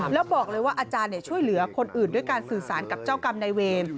แล้วบอกเลยว่าอาจารย์ช่วยเหลือคนอื่นด้วยการสื่อสารกับเจ้ากรรมในเวร